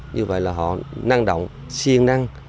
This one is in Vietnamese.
như vậy là họ năng động siêng năng